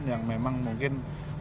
yang memang mungkin